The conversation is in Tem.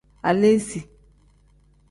Aleesi.